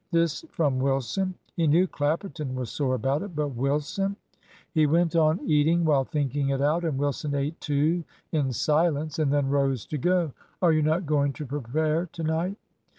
This from Wilson! He knew Clapperton was sore about it, but Wilson He went on eating while thinking it out, and Wilson ate too in silence, and then rose to go. "Are you not going to prepare to night?"